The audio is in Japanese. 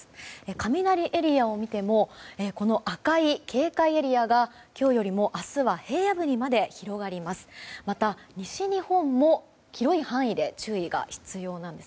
雷エリアを見ても赤い警戒エリアが今日よりも明日は平野部にまで広がります。